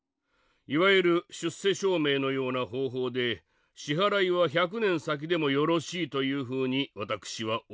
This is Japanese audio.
いわゆる出世証明のような方法で支払いは１００年先でもよろしいというふうに私は思うのであります。